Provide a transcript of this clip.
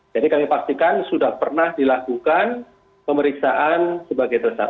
jadi kami pastikan sudah pernah dilakukan pemeriksaan sebagai tersangka